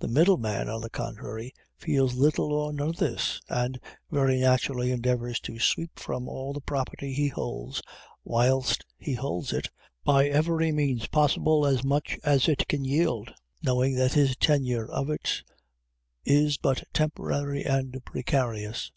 The middleman, on the contrary, feels little or none of this, and very naturally endeavors to sweep from off the property he holds, whilst he holds it, by every means possible, as much as it can yield, knowing that his tenure of it is but temporary and precarious.